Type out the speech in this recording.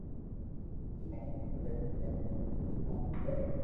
امي ايڪ طريقو ھي ڪي ليکووُ کپي